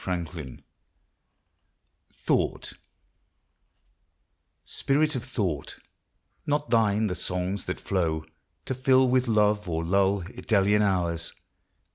THOUGHT Spirit of Thought, not thine the songs that flow To fill with love or lull Idalian hours.